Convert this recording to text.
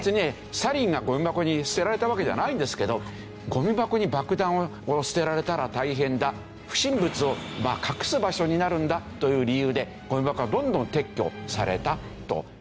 サリンがゴミ箱に捨てられたわけじゃないんですけどゴミ箱に爆弾を捨てられたら大変だ不審物を隠す場所になるんだという理由でゴミ箱はどんどん撤去されたと。